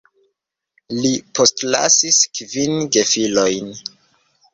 Li postlasis kvin gefilojn.